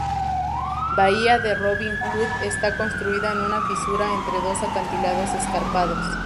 Bahía de Robin Hood está construida en una fisura entre dos acantilados escarpados.